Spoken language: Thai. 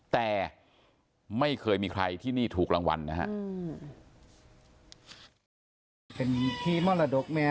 แต่ไม่เคยมีใครที่นี่ถูกรางวัลนะฮะ